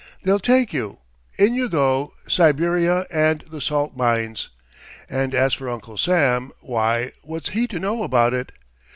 They'll take you. In you go, Siberia and the salt mines. And as for Uncle Sam, why, what's he to know about it?